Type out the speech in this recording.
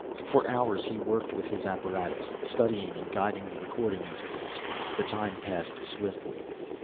For hours he worked with his apparatus, studying, and guiding the recording instruments. The time passed swiftly.